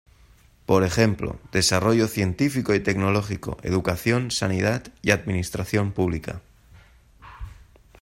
Por ejemplo: desarrollo científico y tecnológico, educación, sanidad, y administración pública.